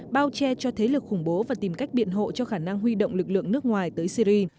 bao che cho thế lực khủng bố và tìm cách biện hộ cho khả năng huy động lực lượng nước ngoài tới syri